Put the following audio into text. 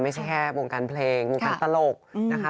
ไม่ใช่แค่วงการเพลงวงการตลกนะคะ